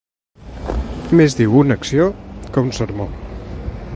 Més diu una acció que un sermó.